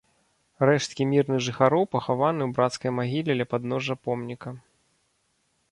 Рэшткі мірных жыхароў пахаваны ў брацкай магіле ля падножжа помніка.